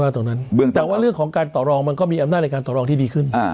แต่ว่าเรื่องของการต่อรองมันก็มีอำนาจในการต่อรองที่ดีขึ้น